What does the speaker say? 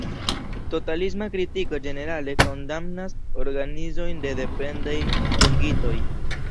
Totalisma kritiko ĝenerale kondamnas organizojn de dependaj dungitoj.